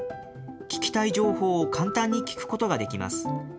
聞きたい情報を簡単に聞くことができます。